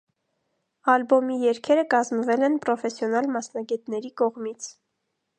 Ալբոմի երգերը կազմվել են պրոֆեսիոնալ մասնագետների կողմից։